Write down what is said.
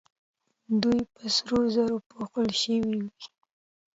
دوی په سرو زرو پوښل شوې وې